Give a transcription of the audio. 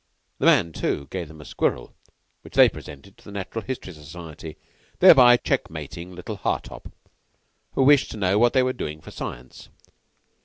The man, too, gave them a squirrel, which they presented to the Natural History Society; thereby checkmating little Hartopp, who wished to know what they were doing for Science.